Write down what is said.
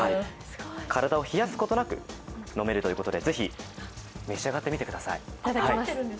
体を冷やすことなく飲めるということでぜひ召し上がってみてください。